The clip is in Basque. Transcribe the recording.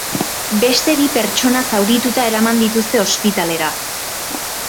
Beste bi pertsona zaurituta eraman dituzte ospitalera.